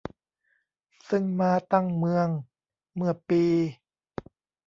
ซึ่งมาตั้งเมืองเมื่อปี